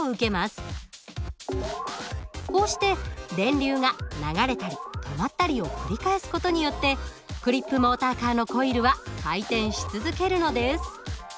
こうして電流が流れたり止まったりを繰り返す事によってクリップモーターカーのコイルは回転し続けるのです。